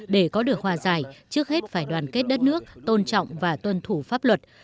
để có được hòa giải trước hết phải đoàn kết đất nước tôn trọng và tuân thủ pháp luật